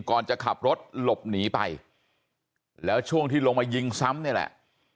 ก่อนจะขับรถหลบหนีไปแล้วช่วงที่ลงมายิงซ้ำนี่แหละ